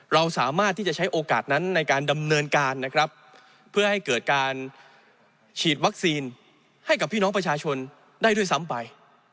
เราสามารถที่จะใช้โอกาสนั้นในการดำเนินการนะครับเพื่อให้เกิดการฉีดวัคซีนให้กับพี่น้องประชาชนได้ด้วยซ้ำไป